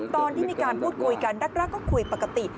ตอนที่มีการพูดคุยกันแรกก็คุยปกติ